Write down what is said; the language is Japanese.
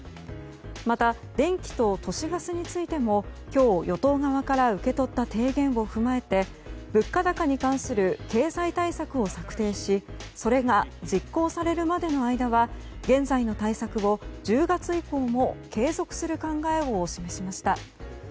また電気と都市ガスについても今日、与党側から受け取った提言を踏まえて物価高に関する経済対策を策定しそれが実行されるまでの間は現在の対策を１０月以降も継続する考えを示しました。